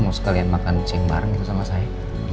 mau sekalian makan kucing bareng gitu sama saya